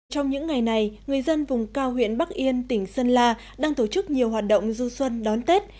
trong những ngày này người dân vùng cao huyện bắc yên tỉnh sơn la đang tổ chức nhiều hoạt động du xuân đón tết